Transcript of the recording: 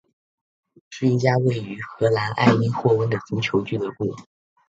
是一家位于荷兰埃因霍温的足球俱乐部。